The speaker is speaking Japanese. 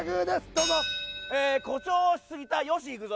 どうぞええ誇張しすぎた吉幾三